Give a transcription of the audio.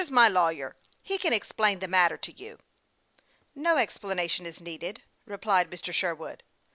Here's my lawyer ; he can explain the matter to you." " No explanation is needed," replied Mr. Sherwood.